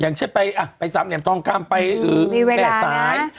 อย่างเช่นอ่ะไปอ่ะไปซ้ำเหนี่ยมทองกล้ามไปไปมีเวลานะ